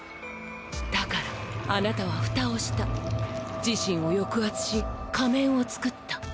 だからあなたはフタをした自身を抑圧し仮面を作った。